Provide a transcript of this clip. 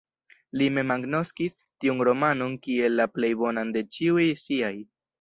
Li mem agnoskis tiun romanon kiel la plej bonan de ĉiuj siaj.